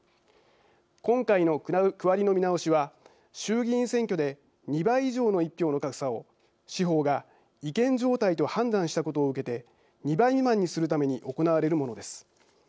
今回の区割りの見直しは衆議院選挙で２倍以上の１票の格差を司法が違憲状態と判断したことを受けて２倍未満にするために行われるものです。